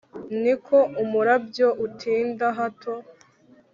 Ni ko umurabyo utinda hato